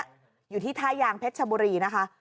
อยู่ที่ท่ายางเพชรชบุรีนะคะ